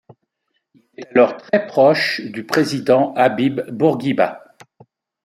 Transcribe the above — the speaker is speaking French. Il est alors très proche du président Habib Bourguiba.